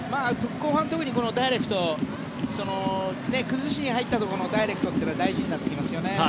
後半特にこのダイレクト崩しに入ったところのダイレクトは大事になってきますよね。